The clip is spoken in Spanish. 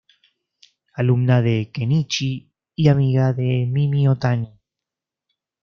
Alumna de Kenichi y amiga de Mimi Otani.